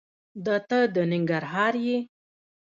دته د ننګرهار یې؟